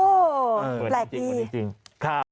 โอ้แหลกอีก